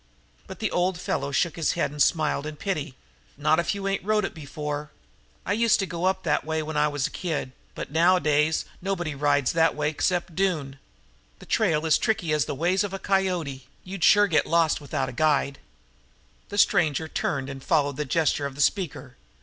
But the old fellow shook his head and smiled in pity. "Not if you ain't rode it before. I used to go that way when I was a kid, but nowadays nobody rides that way except Doone. That trail is as tricky as the ways of a coyote; you'd sure get lost without a guide." The stranger turned and followed the gesture of the speaker.